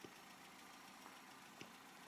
نتیجه یې سمه را ونه وتله.